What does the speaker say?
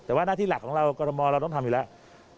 แต่ว่าหน้าที่หลักของเรากรทมเราต้องทำอยู่แล้ว